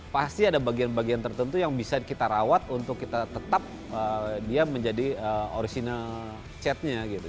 pasti ada bagian bagian tertentu yang bisa kita rawat untuk kita tetap dia menjadi original chat nya gitu